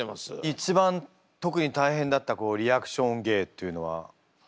一番特に大変だったリアクション芸というのはありますか？